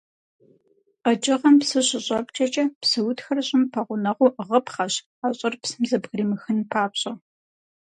Къэкӏыгъэм псы щыщӏэпкӏэкӏэ псы утхыр щӏым пэгъунэгъуу ӏыгъыпхъэщ, а щӏыр псым зэбгыримыхын папщӏэ.